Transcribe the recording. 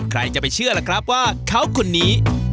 ใครจะไปเชื่อล่ะครับว่าเขาคนนี้